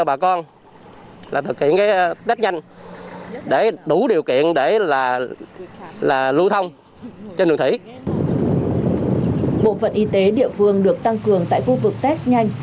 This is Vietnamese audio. bộ phận y tế địa phương được tăng cường tại khu vực test nhanh